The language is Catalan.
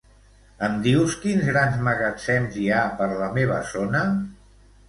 Em dius quins grans magatzems hi ha per la meva zona?